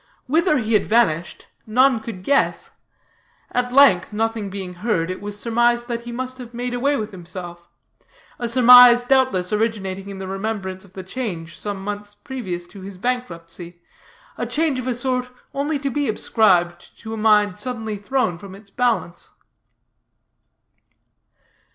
"Whither he had vanished, none could guess. At length, nothing being heard, it was surmised that he must have made away with himself a surmise, doubtless, originating in the remembrance of the change some months previous to his bankruptcy a change of a sort only to be ascribed to a mind suddenly thrown from its balance.